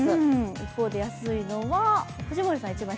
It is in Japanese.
一方で安いのが藤森さん。